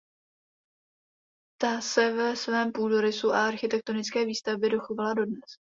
Ta se ve svém půdorysu a architektonické výstavbě dochovala dodnes.